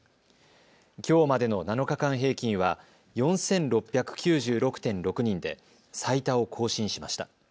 きょうまでの７日間平均は４６９６．６人で最多を更新しました。